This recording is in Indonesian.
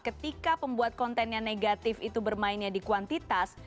ketika pembuat konten yang negatif itu bermainnya di kuantitas